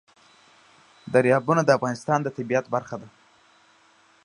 دریابونه د افغانستان د طبیعت برخه ده.